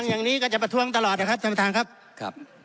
อย่างนี้ก็จะประท้วงตลอดนะครับท่านประธานครับครับ